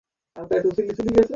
আমি তো কোমাতে ছিলাম, তাই না?